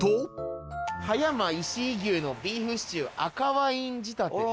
葉山石井牛のビーフシチュー赤ワイン仕立て。